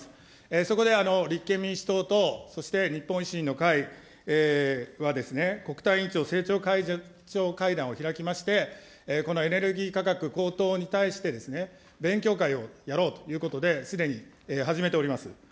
そこで立憲民主党と、そして日本維新の会は国対委員長、政調会長会談を開きまして、このエネルギー価格高騰に対して、勉強会をやろうということで、すでに始めております。